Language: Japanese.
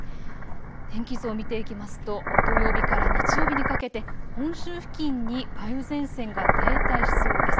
天気図を見ていきますと土曜日から日曜日にかけて本州付近に梅雨前線が停滞しそうです。